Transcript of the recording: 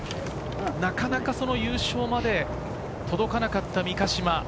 なかなか優勝まで届かなかった三ヶ島。